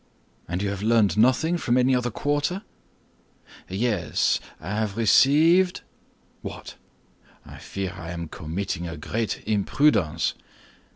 "And you have learned nothing from any other quarter?" "Yes, I have received—" "What?" "I fear I am committing a great imprudence."